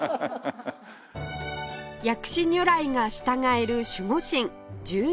薬師如来が従える守護神十二神将